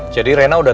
jadi rena udah tahu